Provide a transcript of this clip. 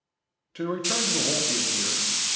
To return to the Wolfian theory.